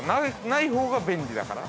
ないほうが便利だから？